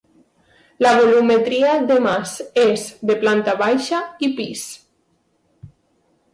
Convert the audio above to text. La volumetria de mas és de planta baixa i pis.